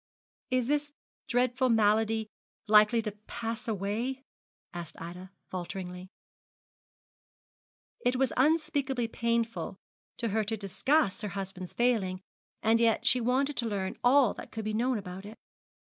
'Is this dreadful malady likely to pass away?' asked Ida, falteringly. It was unspeakably painful to her to discuss her husband's failing; and yet she wanted to learn all that could be known about it.